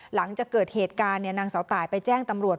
หลังจากเกิดเหตุการณ์นางเสาตายไปแจ้งตำรวจ